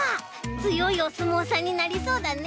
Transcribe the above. つよいおすもうさんになりそうだね。